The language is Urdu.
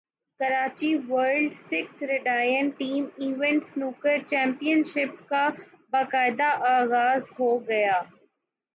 Karachi world six red and team event snooker championship کا باقاعدہ اغاز ہوگیا